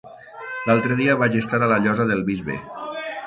L'altre dia vaig estar a la Llosa del Bisbe.